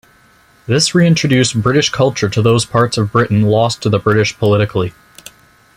This reintroduced British culture to those parts of Britain lost to the British politically.